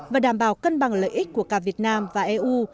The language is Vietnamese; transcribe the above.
và đảm bảo cân bằng lợi ích của cả việt nam và eu